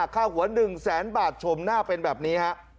ค่าหัว๑แสนบาทชมหน้าเป็นแบบนี้ฮะ